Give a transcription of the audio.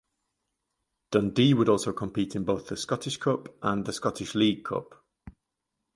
Dundee would also compete in both the Scottish Cup and the Scottish League Cup.